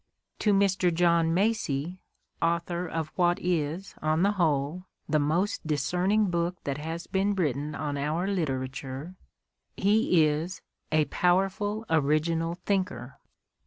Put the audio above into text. To Mr. John Macy, author of what is, on the whole, the most discerning book that has been written on our literature, he is " a powerful, original thinker.